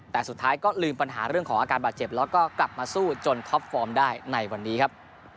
แต่สุดท้ายก็ลืมปัญหาเรื่องของอาการบาดเจ็บแล้วก็กลับมาสู้จนท็อปฟอร์มได้ในวันนี้ครับ